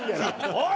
おい！